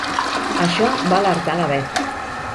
Això va alertar la Bet.